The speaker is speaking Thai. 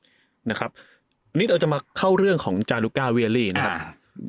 อันนี้เราจะมาเข้าเรื่องของจารุก้าเวียลี่นะครับ